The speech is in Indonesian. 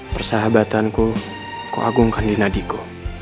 persahabatanku kuagungkan di nadiku